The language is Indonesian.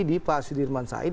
di pak sudirman said